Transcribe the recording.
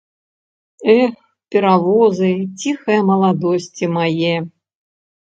Эх, перавозы ціхае маладосці мае!